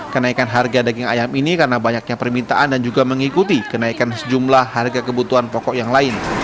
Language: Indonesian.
kenaikan harga daging ayam ini karena banyaknya permintaan dan juga mengikuti kenaikan sejumlah harga kebutuhan pokok yang lain